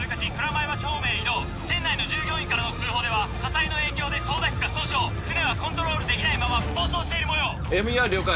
前橋方面へ移動船内の従業員からの通報では火災の影響で操舵室が損傷船はコントロールできないまま暴走しているもようＭＥＲ了解